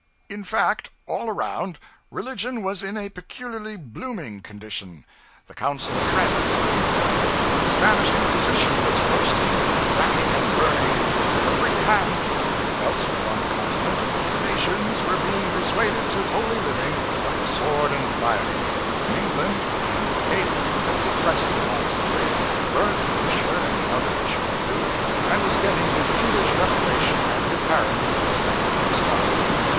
In fact, all around, religion was in a peculiarly blooming condition: the Council of Trent was being called; the Spanish Inquisition was roasting, and racking, and burning, with a free hand; elsewhere on the continent the nations were being persuaded to holy living by the sword and fire; in England, Henry VIII. had suppressed the monasteries, burnt Fisher and another bishop or two, and was getting his English reformation and his harem effectively started.